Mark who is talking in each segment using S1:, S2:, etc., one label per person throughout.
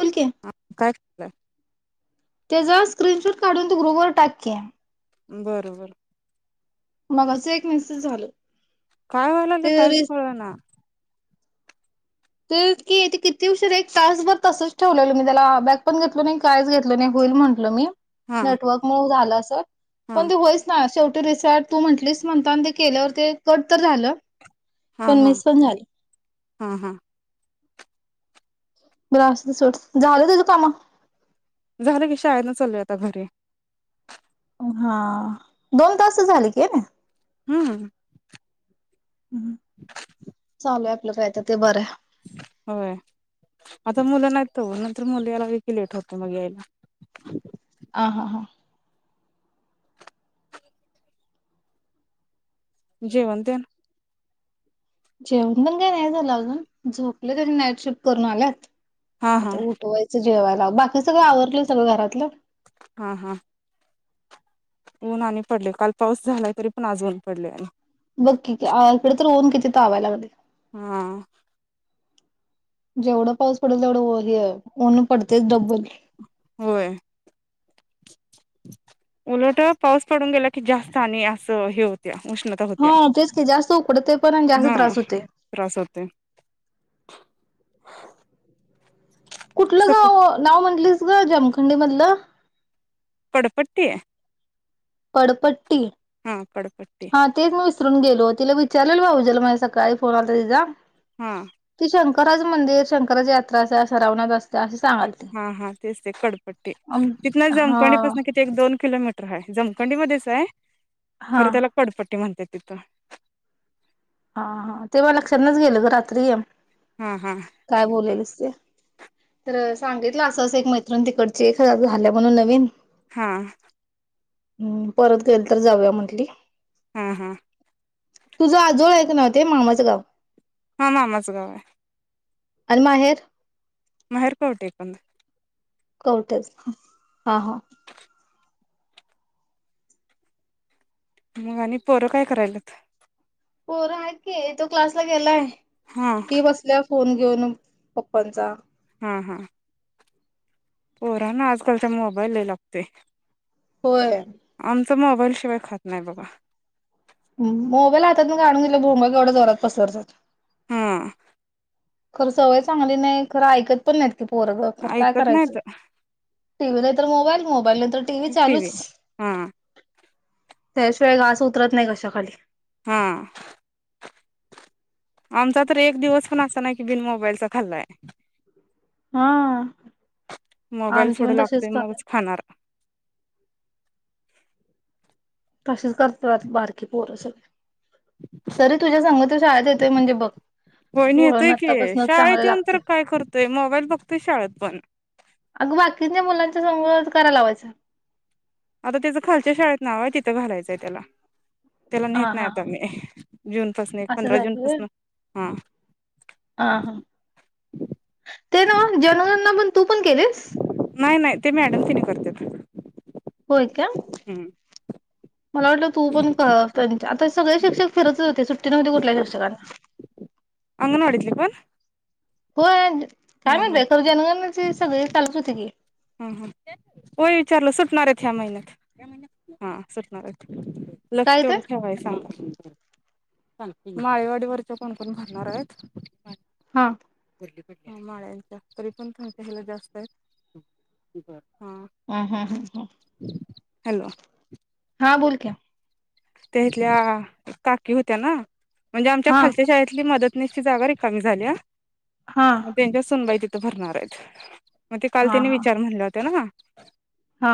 S1: बोल की
S2: हा काय चाललंय
S1: तेजास स्क्रीनशॉट काढून तू ग्रुप वर टाक की
S2: बरोबर.
S1: मग असं एक मेसेज झाल.
S2: काय व्हाय लागल काहीच कळना
S1: तेच कि ते किती उशिरा एक तासभर तसंच ठेवलेलं मी त्याला बॅक पण घेतलं नाही कायच घेतलं नाही होईल म्हंटलं मी
S2: हा
S1: नेटवर्क मुळ झालं अस [inaudible]
S2: हा
S1: पण ते होईच ना शेव रिस्टार्ट तू म्हंटलीस म्हणता ना ते केल्यावर ते कट तर झालं.
S2: हा
S1: पण
S2: हा
S1: मीस पण झाली.
S2: हा हा.
S1: बर असुदे सोड झालं तुझं कामं
S2: झालं की शाळेत न चालोय आता घरी.
S1: हा दोन तास तर झाले की व्हय नी.
S2: हम्म.
S1: हम्म चालू हाय आपलं काय तर ते बरं हाय.
S2: होय तर मुलं याय लागली की लेट होतय मग यायला.
S1: हा हा हा
S2: जेवण तेन.
S1: जेवण पण काय नाही झालं अजून झोपल तरी नाईट शिफ्ट करून आल्यात
S2: हा हा
S1: आता उठवायचं. जेवायला बाकी सगळं आवरलं सगळं घरातलं.
S2: हां हां. ऊन आणि पडले काल पाऊस झालाय तरी पण आज ऊन पडले
S1: बघ की इकडं तर ऊन किती तावाय लागलय.
S2: हा आ.
S1: जेवढं पाऊस पडल तेवढं उ हेयं उन पडतेय डबल.
S2: होय उलट पाऊस पडून गेला कि जास्त आणि असं हे होतं
S1: हां तेच की जास्त उकडतय पण जास्त
S2: हा
S1: त्रास होतय.
S2: त्रास होते
S1: कुठलं गाव नाव म्हणलीस? गं जमखंडी मधलं?
S2: पडपट्टी.
S1: पडपट
S2: हम्म पडपट्टी.
S1: विसरून गेलो, तिला विचारलेलं भाऊ जेला माझ्या सकाळी फोन आलता तिचा.
S2: हां.
S1: शंकराच मंदिर, शंकराच्या यात्रा अस सरावना असत.
S2: हां हां तेच आहे कडपट्टी
S1: अम
S2: तिथन
S1: हा हा
S2: जमकाणीपासनं किती एक-दोन किलोमीटर आहे जमखंडी मध्येच आहे.
S1: हा
S2: खरं त्याला कडपट्टी म्हणत्यात. [unintelligible]
S1: हां हां तेव्हा लक्षातणच गेल गं, रात्री य म
S2: हा हा
S1: काय बोलेलीस ते तर सांगितलं असं-असं एक मैत्रिण तिकडची एक झाल्य म्हणून नवीन.
S2: हा.
S1: ह परत गेलं तर जाऊया म्हंटली.
S2: हा हा.
S1: तुझं आजोळ आहे ना ते मामाच गावं.
S2: हा, मामाच गाव आहे.
S1: आणि माहेर?
S2: महेर कवटे एकंत.
S1: कौठेच हा हा.
S2: मग आणि पोरं काय करायल्यात.
S1: पोरं आहेत की, एक तो क्लास ला गेलाय.
S2: हा
S1: ती बसल्या फोन घेऊन पप्पांचा.
S2: हा हा. पोरा ना आजकालचा मोबाईल हे लागतोय.
S1: होय.
S2: त मोबाईल शिवाय खात नाही बघा.
S1: मोबाईल हातात म का आणून दिलं भोंग केवढ्या जोरात पसरतात.
S2: हम्म्म.
S1: खर सवय चांगली नाही खरं ऐकत पण नाही पोरग खर काय
S2: ऐकत
S1: करायच?
S2: नाहीत
S1: टी. वी नाही तर मोबाईल म मोबाईल नाहीतर तर टी व्ही चालूच.
S2: टीव्ही हा
S1: त्याशिवाय घास उतरत नाही कशा खाली.
S2: हा, आमचा तर एक दिवस पण आसा नाही कि बिन मोबाईलचा खाल्लाय.
S1: हा
S2: मोबाईल
S1: आमचे
S2: पुढं
S1: पण तसेच
S2: लागतोय
S1: कर
S2: मगच खाणार
S1: तसेच करत्यात बारकी पोर सगळ तरी तुझ्या सग तो शाळेत येतोय म्हणजे बघ.
S2: होय
S1: वळन
S2: नेतोय की
S1: आतापासूनच
S2: शाळेत
S1: चांगले
S2: येऊन तर
S1: लागतय.
S2: काय करतोय मोबाईल बघतोय शाळेत पण
S1: अग बाकीच्या मुलां [unintelligible] कराय लावायचा.
S2: आता तेज खालच्या शाळेत नाव आहे तिथं घालायचंय त्याला. त्याला नेत
S1: हा
S2: नाही
S1: हा
S2: आता
S1: हा
S2: मी जून पासून पंधरा जून पासून हा.
S1: अ हा ते ना जनगांना पण तू पण केले
S2: नाही नाही ते मॅडम तिने करते
S1: होय का मला वाटलं तू पण आता सगळे शिक्षक फिरतच होते सु त म कुठला घे सना
S2: हंग नोडतली प
S1: हो काय म्हणतय खर जनगणाची सगळे चालत होते की
S2: हा हा होय विचारलं सुटणार आहेत ह्या महिन्यात्यात हा सुटणार आहेत लक्ष
S1: काय
S2: तेवढ
S1: ते
S2: ठेवाय सांगा माळेवाडीवररच्या कोण कोण भरणार आहेत
S1: हा
S2: माळ्यांच्या तरी पणच्या ह्याला जास्त आहेत ठीक आहे
S1: हम् हम्म हम् हम
S2: हॅलो
S1: हा बोल क्या
S2: त्या इथल्या काकी होत्या ना म्हणजे आमच्या
S1: हा
S2: खाच्या शाळेतली मदत कनेसची जागा रिकामी झाल्या
S1: हा
S2: म त्यांच्या सुनवायती तर भरणार आहेत मग ते काल
S1: हा
S2: त्यांने
S1: हा
S2: विचार म्हणले होते ना
S1: हा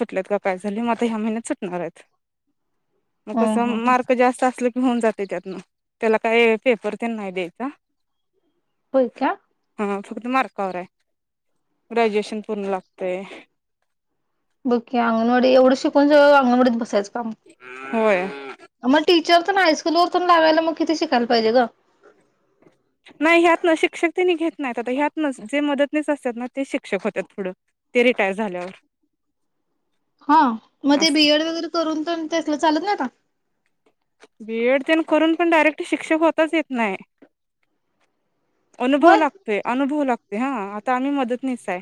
S2: ट का काय झाली म ह्या महिन्यात सुटणार आहेत मग
S1: हम्म
S2: कस
S1: हम्म हम्म.
S2: मार्क जास्त असल घेऊन जाते त्यातन त्याला काय पेपर ते नाही द्यायचा
S1: होय का
S2: फक् मार गुश पूण
S1: बोके अंगणवाडी एवढं शिकून सगळ अंगणवाडीत बसायचं तम
S2: होय
S1: मग टीचर पण हायस्कूल वर लावायला मग किती शिकायला पाहिजे ग
S2: नाही ह्यातन शिक्षक त्यांनी घेत नाहीत आता ह्यातन जे मदतनेच असतात ना ते शिक्षक होत थोडं ते रिटायर झाल्यावर
S1: हा मग ते
S2: असं
S1: बीएड वगैरे करून पण त्याला चालत नाही काता
S2: बीएड तर करून पण डायरेक्ट शिक्षक होताच येत नाही अनुभव
S1: होय
S2: लागते अनुभव लागतेो हा आता आम्ही मदत नसाय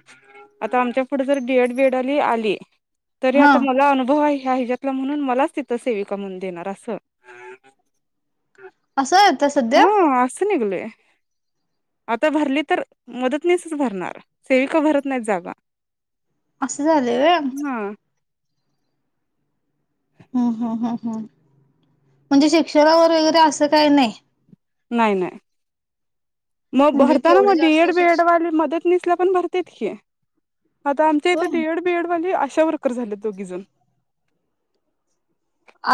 S2: आता आमच्या पुढे जर एड बीड आली आली तरी
S1: हा.
S2: आता मला अनुभव आहे ह हिच्यातलं म्हणून मलाच तिथ सेविका म्हणून देणार अस
S1: असं येत सध्या?
S2: [inaudible] आता भरली तर, मदतनिसच भरणार सेविका भरत नाहीत जागा.
S1: असं झालंया.
S2: हा
S1: हम्म हम्म हम्म्म हम्म्म म्हणजे शिक्षणावर वगैरे असं काही नाही.
S2: नाही नाही. मग
S1: म्हणजे
S2: भरतांना म
S1: केवढे
S2: डी
S1: जास्त
S2: एड बी एड
S1: शिक्ष
S2: वाले मधात. पुलिस ला पण भरतेत की. आता आमच्या इथे
S1: होय
S2: डि एड बि एड मध्ये आ शा वर्कर झाले दोघी जण.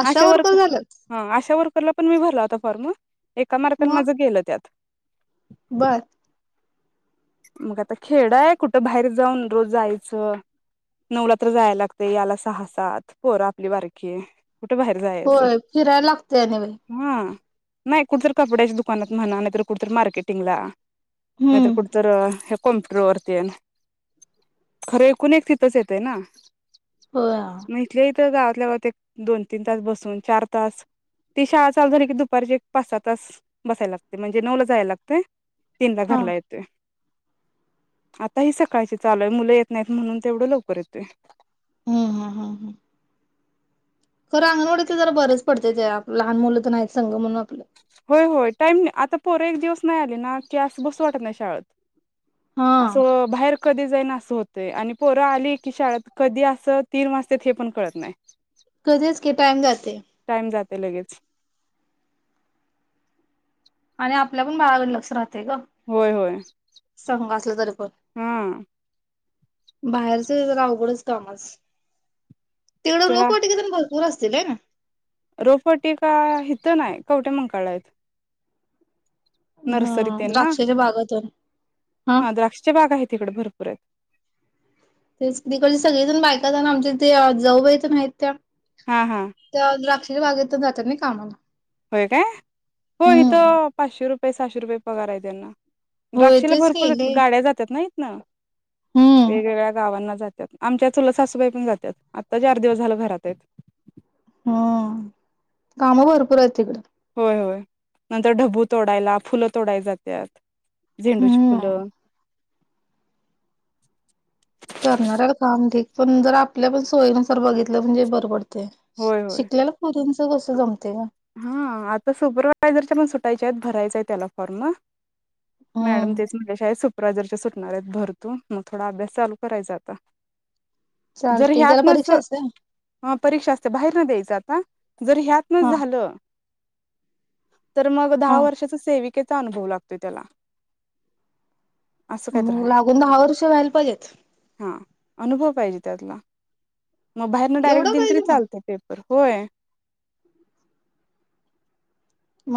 S2: आशा वर्कर हां आशा वर्क ला पण मी भरला होता फॉर्म. एका मार्कांन माझ गेलं त्यात.
S1: बरं.
S2: मग आता खेड आहे कुठं बाहेर जाऊन रोज जायचं. नऊला तर जायला लागते याला सहा सात पोर आपली बारकी ये.
S1: होय फिराय लागतय आणि बाई.
S2: हा नाही कुठंतरी कपड्याच्या दुकानात म्हणा नाही तर, कुठे तर मार्केटिंगला. नाही तर
S1: हम्म
S2: कुठं का ह कॉम्प्युटर वरती एना खरं एकूण एक तिथंच येतेय ना.
S1: होय आ
S2: ते गावातल्या गावात एक दोन-तीन तास बसून चार तास. ती शाळा चालू झाली की, दुपारची एक पाच-सहा तास बसायला लागते म्हणजे नऊ ला जायाला लागतंय. तीन ला
S1: हा
S2: घरला येते. आता ही सकाळची चालूय, मुलं येत नाईत म्हणून तेवढं लवकर येते.
S1: हम्म हम्म हम्म हम्म. खरं अंगणवाडीच जरा बरंच पडतय. ते आप लहान मुलं तर नाईच संग म्हणून आपलं.
S2: होय होय टाईम ना आता पोर एक दिवस नाही आले ना की, असं बसू वाटतं नाही शाळेंत.
S1: हा
S2: असं अ बाहेर कधी जाईन आसं होतंय आणि पोरं आली की शाळेत कधी आसं तीन वाजतेत हे पण कळतं नाय.
S1: कधीच की टाईम जाते.
S2: ते लगेच.
S1: आणि आपल्या पण बाळा वर लक्ष राहत.
S2: होय होय हां.
S1: बाहेरचं जय अवघडच कामच तेवढं रोप वाटीकेतून बोल पोर असतील ए ना
S2: रोपटी का हिथं नाय कवठयामंक कळ यत. नर्सरीतेन ना.
S1: द्राक्षाच्या बागातून
S2: हा द्राक्षचे बाग आहेत तिकडे भरपूर आहेत.
S1: तेच. तिकडची सगळीजण बायकातण आमच्या त्या जाऊबाई तेन हायत त्या.
S2: हा हा
S1: त्या द्राक्षेच्या बागेतच जात्यात नई. कामाला.
S2: होय काय? हो इथ
S1: हम्म
S2: पाचशे रुपये प सहाशे रुपय पार आहे त्यांना.
S1: होय
S2: द्रक्षेला
S1: तेच
S2: भरपूर
S1: केले
S2: गाड्या जात्यात नई. ना.
S1: हम्म
S2: वेगवेगळ्या गावांना जात आमच्या चुलत सासूबाई पण जात्यात. आत्ता चार दिवस झालं घरात हाइत.
S1: हम्म कामं भरपूर आहेत तिकडं.
S2: होय होय नंतर ढबू तोडायला, फुलं तोडाय जात्यात. झेंडूची
S1: हम्म
S2: फुलं.
S1: करणाऱ्याला काम ढीग. पण जर आपल्या पण सोयीनुसार बघितलं म्हणजे बर पडतंय. ते. शिकलेलं पोरींच कसं जमते का?
S2: हा आता सुपरवायझरच्या पण सुटायच्या आहेत, भरायचय त्याला फॉर्म. मॅडम
S1: हम्म
S2: तेच म्हटल्या शाळेत सु सुपरवायजरच्या सुटणारहाइत भर तू, मग थोडा अभ्यास चालू करायचा आता. जर
S1: चालतय त्याला
S2: ह्यातनच
S1: परीक्षा असते
S2: हा परीक्षा आसते, बाहेर न द्यायच. आ? जर ह्यातन
S1: हा
S2: झाल तर मग
S1: हा
S2: दहा वर्षाच सेविक केचा अनुभव लागतोय त्याला. असं काहीतर
S1: म
S2: हाय.
S1: लागून दहा वर्ष व्हायला पाहीजेत?
S2: हां, अनुभव पाहिजे त्यातला. मग बाहेरन डायरेक्ट
S1: एवढं
S2: दिली तरी
S1: पाहिजे मग
S2: चालतय पेपर. पर होय.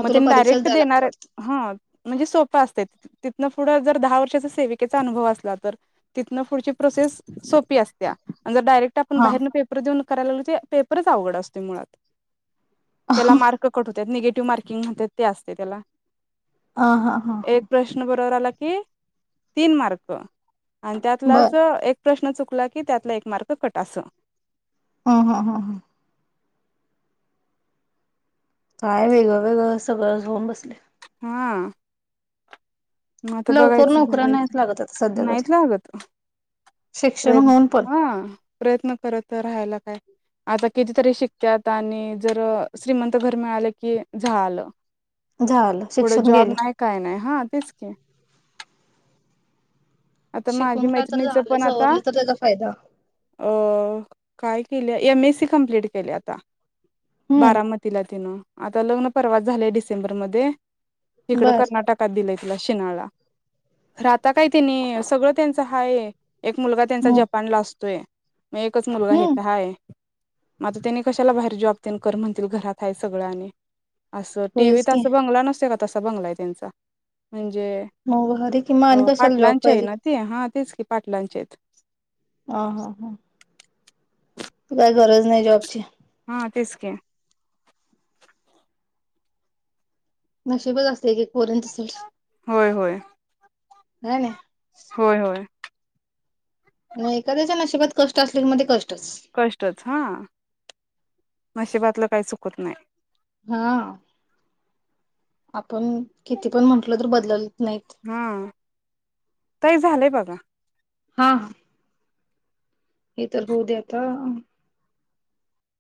S2: मग
S1: तुला
S2: त्यांनी
S1: परीक्षाच
S2: डायरेक्ट
S1: द्यायला लागत्या
S2: देणार
S1: वाटतं.
S2: हा म्हणजे सो प असतय तिथनं फुड जर दहा वर्षाचा सेविकेचा अनुभव असला तर, तिथन फुडची प्रोसेस सोपी असतिया. जर डायरेक्ट आपण
S1: हा
S2: बाहेरन पेपर देऊन करायला लागलोय ते पेपरच आवघड असतोय मुळात त्याला मार्क कट होत्यात निगेटीव्ह मार्किं कि म्हणतय ते आसतय त्याला
S1: हा हा हा
S2: एक प्रश्न बरोबर आला की तीन मार्क आणि
S1: बर
S2: त्यातलाच एक प्रश्न चुकला की त्यातला एक मार्क कट आस
S1: हा, हा, हा, हा काय वेगळं वेगळं सगळंच होऊन बसलय
S2: हां म आता
S1: लवकर
S2: बघायचं
S1: नोकऱ्या
S2: भरायचं
S1: नाहीच लागत आता सध्या
S2: नाहीत
S1: तरी
S2: लागत
S1: शिक्षण
S2: प्रय
S1: होऊन पण
S2: हा प्रयत्न करत राहायला काय? आता कितीतरी शिकत्यात आणि जर श्रीमंत घर मिळालं की झालं
S1: झालं
S2: फूडं
S1: शिक्षण
S2: जॉब
S1: गेलं.
S2: नाही काय नाही हा तेच [inaudible] आता माझी
S1: शिकून काय तर
S2: मैत्रिणीच
S1: झालं
S2: पण आता
S1: सवरलं तर त्याचा फायदा
S2: अ काय केलिया एम. एस. सी. कंप्लीट केलिया आता
S1: हम्म
S2: बारामतीला तिनं आता लग्न परवाच झालय डिसेंबरमध्ये हीकडं
S1: बर.
S2: कर्नाटकात दिलय तिला शिनाळला खरं आता काय त्यानी सगळं त्यांचं हाय एक मुलगा त्यांचा
S1: हम्म
S2: जपानला असतो तोय मग एकच मुलगा
S1: हम्म
S2: इथे हाय मग आता त्यानी कशाला बाहेर जॉब त्यां कर म्हणतील घरात आहे सगळं आणि असं
S1: होयच
S2: टीव्हीत
S1: की
S2: असं बंगला नसतोय का तसा बंगलाय त्यांचा म्हणजे
S1: मग भारी कि मग आणि कशाला जॉब
S2: पाटलांचे आहे
S1: पाहिजे.
S2: ना ती हा तेच की पाटलांचे आहेत
S1: ह हा हा काही गरज नाही जॉबची
S2: अ
S1: नशशीबच असलतय एकेक पोरीचं सोड
S2: होय होय
S1: हणे
S2: होय होय
S1: म एखाद्याच्या नशिबात कष्ट असल्या की मग कष्टचं
S2: कष्टच हा नशिबातलं काही चुकत नाही
S1: हा पण किती पण म्हंटल तर बदलल नाहीत
S2: हा ताई झालंय बघा
S1: हा हे तर होऊ दे आता